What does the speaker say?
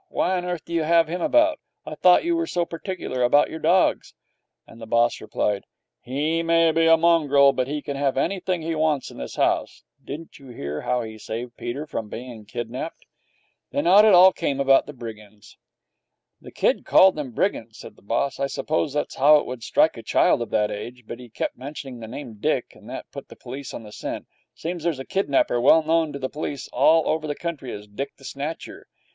Why on earth do you have him about? I thought you were so particular about your dogs?' And the boss replied, 'He may be a mongrel, but he can have anything he wants in this house. Didn't you hear how he saved Peter from being kidnapped?' And out it all came about the brigands. 'The kid called them brigands,' said the boss. 'I suppose that's how it would strike a child of that age. But he kept mentioning the name Dick, and that put the police on the scent. It seems there's a kidnapper well known to the police all over the country as Dick the Snatcher.